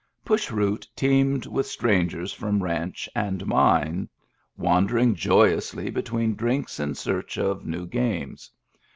Push Root teemed with strangers from ranch and mine, wandering joyously between drinks in search of new games.